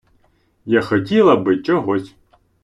Я хотіла би чогось!